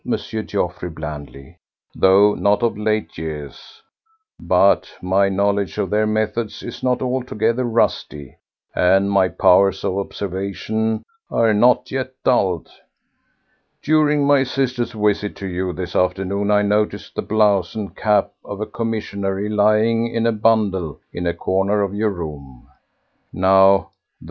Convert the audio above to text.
Geoffroy blandly, "though not of late years; but my knowledge of their methods is not altogether rusty and my powers of observation are not yet dulled. During my sister's visit to you this afternoon I noticed the blouse and cap of a commissionnaire lying in a bundle in a corner of your room. Now, though M.